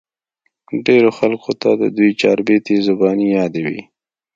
ډېرو خلقو ته د دوي چاربېتې زباني يادې وې